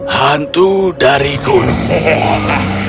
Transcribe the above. hantu dari gunung